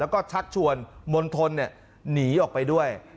แล้วก็ชักชวนมณฑลหนีออกไปด้วย